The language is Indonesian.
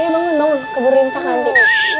ayo bangun bangun keburu imsah nanti